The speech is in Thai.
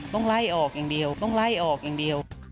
ต้องไล่ออกอย่างเดียวต้องไล่ออกอย่างเดียว